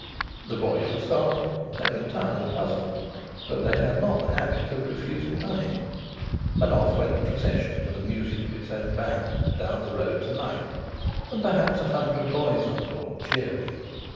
The boys were startled; they were entirely puzzled; but they had not the habit of refusing money. And off went the procession to the music of its own band down the road to Knype, and perhaps a hundred boys on board, cheering.